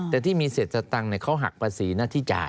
แต่ที่มีเสร็จสตังค์เขาหักภาษีหน้าที่จ่าย